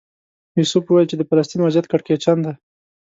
یوسف وویل چې د فلسطین وضعیت کړکېچن دی.